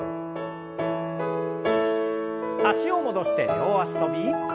脚を戻して両脚跳び。